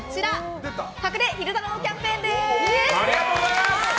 隠れ昼太郎キャンペーンです。